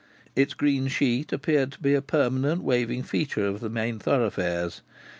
Its green sheet appeared to be a permanent waving feature of the main thoroughfares.